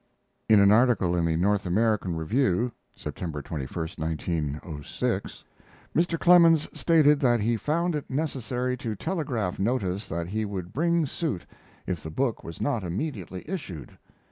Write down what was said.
[In an article in the North American Review (September 21, 1906) Mr. Clemens stated that he found it necessary to telegraph notice that he would bring suit if the book was not immediately issued.